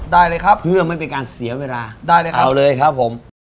ได้เลยครับเพื่อไม่เป็นการเสียเวลาได้เลยครับผม